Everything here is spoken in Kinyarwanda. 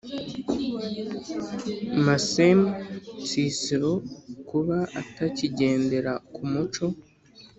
Massemu nsisiro kuba atakigendera ku muco